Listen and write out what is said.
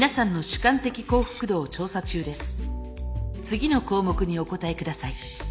次の項目にお答えください。